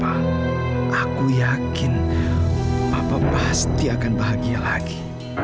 aku yakin papa pasti akan bahagia lagi